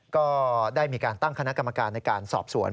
ก็ได้มีการตั้งคณะกรรมการในการสอบสวน